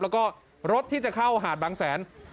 แล้วก็รถที่จะเข้าหาดบางแสน